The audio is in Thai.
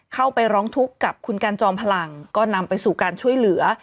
เข้าไปร้องทุกข์กับคุณกันจอมพลังก็นำไปสู่การช่วยเหลือ